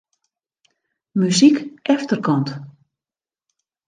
Muzyk efterkant.